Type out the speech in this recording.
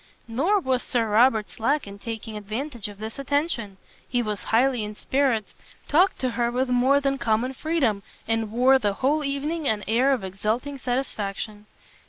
Nor was Sir Robert slack in taking advantage of this attention: he was highly in spirits, talked to her with more than common freedom, and wore the whole evening an air of exulting satisfaction.